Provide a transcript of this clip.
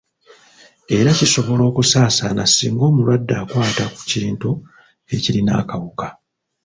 Era kisobola okusaasana singa omulwadde akwata ku kintu ekirina akawuka.